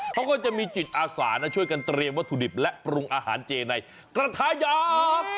เขาก็จะมีจิตอาสานะช่วยกันเตรียมวัตถุดิบและปรุงอาหารเจในกระทายักษ์